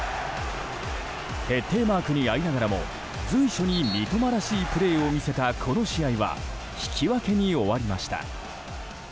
徹底マークにあいながらも随所に三笘らしいプレーを見せたこの試合は引き分けに終わりました。